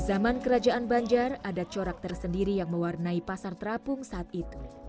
zaman kerajaan banjar ada corak tersendiri yang mewarnai pasar terapung saat itu